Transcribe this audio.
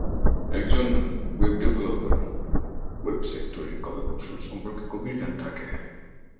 একজন web developer website তৈরীর কলাকৌশল সম্পর্কে গভীর জ্ঞান থাকে।